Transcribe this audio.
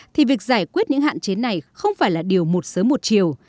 thì việc giải quyết những hạn chế này không phải là điều một sớm một chiều